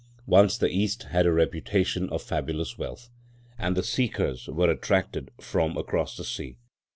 Once the East had her reputation of fabulous wealth, and the seekers were attracted from across the sea.